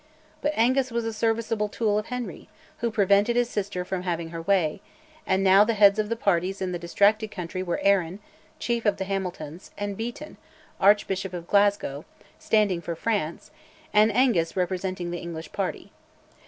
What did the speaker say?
But Angus was a serviceable tool of Henry, who prevented his sister from having her way; and now the heads of the parties in the distracted country were Arran, chief of the Hamiltons, and Beaton, Archbishop of Glasgow, standing for France; and Angus representing the English party.